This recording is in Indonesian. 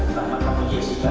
tanpa panggung di sigar